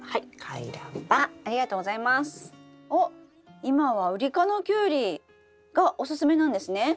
おっ今はウリ科のキュウリがおすすめなんですね。